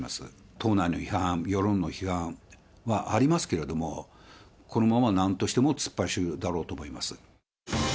党内の批判、世論の批判はありますけれども、このままなんとしても突っ走るだろうと思います。